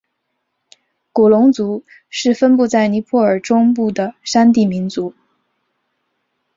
古隆族是分布在尼泊尔中部的山地民族。